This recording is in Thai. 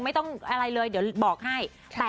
ไม่ต้องอะไรเลยเดี๋ยวบอกให้